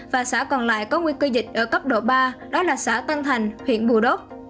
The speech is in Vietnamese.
và xã còn lại có nguy cơ dịch ở cấp độ ba đó là xã tân thành huyện bù đốc